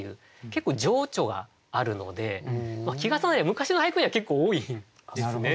結構情緒があるので季重なりは昔の俳句には結構多いんですね。